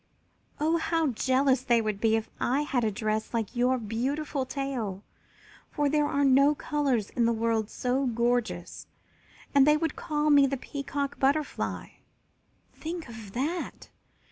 "Oh, how jealous they would be if I had a dress like your beautiful tail, for there are no colors in the world so gorgeous, and they would call me the Peacock Butterfly! Think of that!